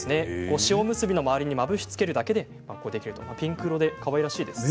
塩むすびの周りにまぶし付けるだけでピンク色でかわいらしいですよね。